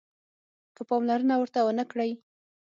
که پاملرنه ورته ونه کړئ